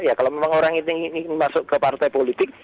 ya kalau memang orang ini masuk ke partai politik